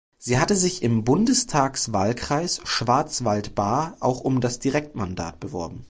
Sie hatte sich im Bundestagswahlkreis Schwarzwald-Baar auch um das Direktmandat beworben.